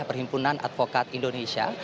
perhimpunan advokat indonesia